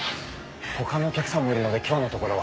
他のお客さんもいるので今日のところは。